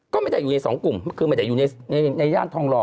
ก็ไม่ได้อยู่ในสองกลุ่มคือไม่ได้อยู่ในย่านทองหล่อ